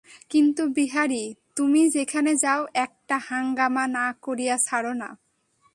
কিন্তু বিহারী, তুমি যেখানে যাও একটা হাঙ্গামা না করিয়া ছাড় না।